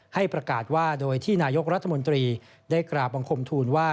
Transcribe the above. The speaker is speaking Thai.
ให้ประกาศว่าโดยที่นายกรัฐมนตรีได้กราบบังคมทูลว่า